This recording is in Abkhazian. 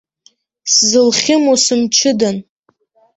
Сзылхьымо, сымчыдан.